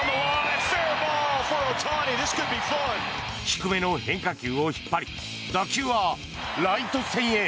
低めの変化球を引っ張り打球はライト線へ。